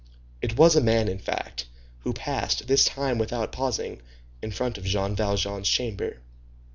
It was a man, in fact, who passed, this time without pausing, in front of Jean Valjean's chamber.